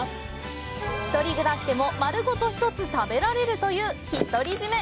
一人暮らしでも丸ごと１つ食べられるという「ひとりじめ」。